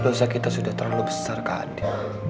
dosa kita sudah terlalu besar kak adi